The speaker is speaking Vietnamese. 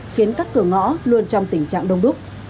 khiến các cửa ngõ luôn trong tình trạng đông đúc